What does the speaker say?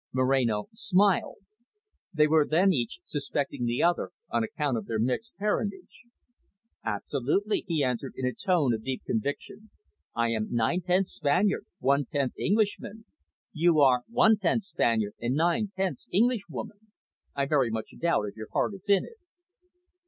Moreno smiled. They were then each suspecting the other, on account of their mixed parentage. "Absolutely," he answered in a tone of deep conviction. "I am nine tenths Spaniard, one tenth Englishman. You are one tenth Spaniard and nine tenths Englishwoman. I very much doubt if your heart is in it."